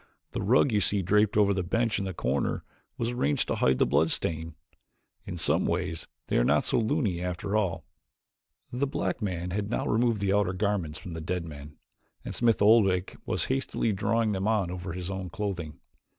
The rug you see draped over the bench in the corner was arranged to hide the blood stain in some ways they are not so loony after all." The black man had now removed the outer garments from the dead man, and Smith Oldwick was hastily drawing them on over his own clothing.